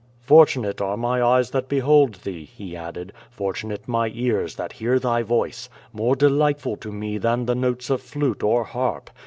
'^ 'Tortunate are my eyes that behold thee,'^ he added; "for tunate my ears that hear thy voice, more delightful to me than the notes of flute or harp.